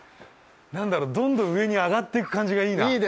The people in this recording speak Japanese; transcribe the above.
なんだろどんどん上に上がっていく感じがいいな。